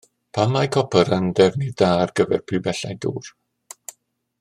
Pam mae copr yn ddefnydd da ar gyfer pibellau dŵr?